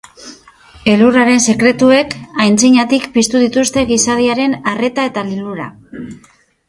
Elurraren sekretuek antzinatik piztu dituzte gizadiaren arreta eta lilura.